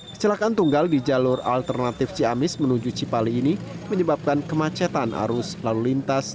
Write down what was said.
kecelakaan tunggal di jalur alternatif ciamis menuju cipali ini menyebabkan kemacetan arus lalu lintas